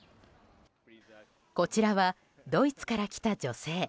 こちらはドイツから来た女性。